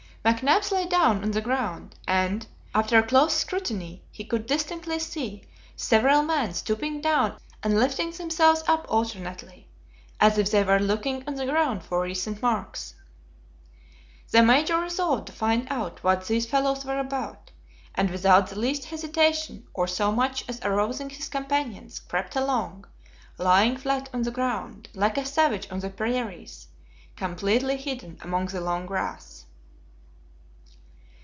McNabbs lay down on the ground, and, after a close scrutiny, he could distinctly see several men stooping down and lifting themselves up alternately, as if they were looking on the ground for recent marks. The Major resolved to find out what these fellows were about, and without the least hesitation or so much as arousing his companions, crept along, lying flat on the ground, like a savage on the prairies, completely hidden among the long grass.